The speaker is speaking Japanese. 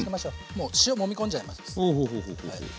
もう塩もみ込んじゃいます。